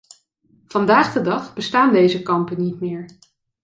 Vandaag de dag bestaan deze kampen niet meer.